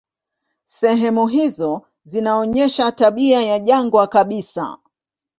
Sehemu hizo zinaonyesha tabia ya jangwa kabisa.